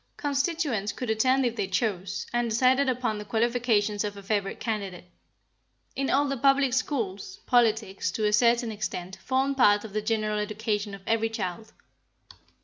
Constituents could attend if they chose, and decide upon the qualifications of a favorite candidate. In all the public schools, politics to a certain extent formed part of the general education of every child.